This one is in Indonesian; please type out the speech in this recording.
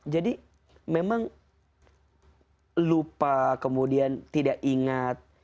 jadi memang lupa kemudian tidak ingat